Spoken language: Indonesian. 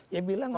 ya bilang aja